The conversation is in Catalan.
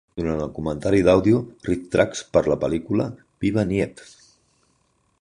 Durant el comentari d'àudio RiffTrax per a la pel·lícula Viva Knievel!